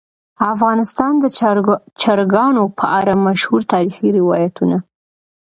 افغانستان د چرګانو په اړه مشهور تاریخی روایتونه.